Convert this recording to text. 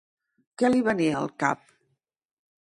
Què li venia al cap?